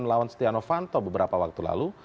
melawan siti ravanto beberapa waktu lalu